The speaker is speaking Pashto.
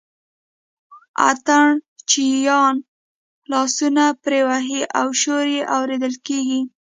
اتڼ چیان لاسونه پړک وهي او شور یې اورېدل کېږي.